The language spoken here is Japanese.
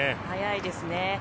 速いですね。